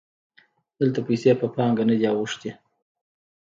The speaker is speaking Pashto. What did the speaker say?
دلته پیسې په پانګه نه دي اوښتي